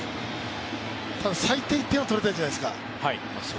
最低１点は取りたいじゃないですか